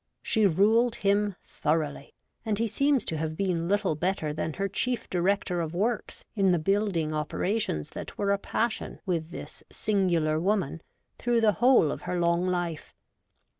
She ruled him' thoroughly, and he seems to have been little better than her chief director of works in the building operations that were a passion with this singular woman through the whole of her long life.